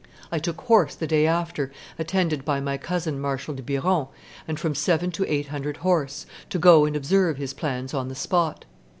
I took horse the day after, attended by my cousin Marshal de Biron and from seven to eight hundred horse, to go and observe his plans on the spot.